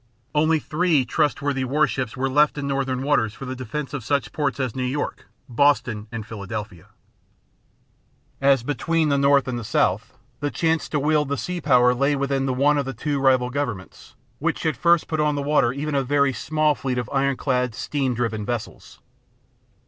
Only three trustworthy warships were left in Northern waters for the defense of such ports as New York, Boston and Philadelphia. As between the North and the South, the chance to wield the sea power lay with the one of the two rival governments which should first put on the water even a very small fleet of ironclad, steam driven vessels.